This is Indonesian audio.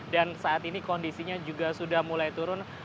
dan saat ini kondisinya juga sudah mulai turun